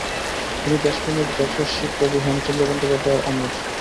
তিনি দেশপ্রেমিক যশস্বী কবি হেমচন্দ্র বন্দ্যোপাধ্যায়ের অনুজ।